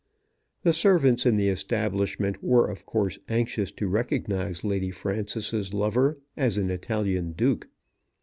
The servants in the establishment were of course anxious to recognize Lady Frances' lover as an Italian Duke.